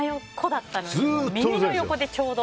耳の横でちょうど。